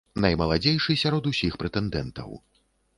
Наймаладзейшы сярод усіх прэтэндэнтаў.